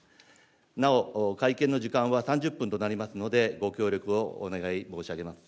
なお、会見の時間は３０分となりますので、ご協力をお願い申し上げます。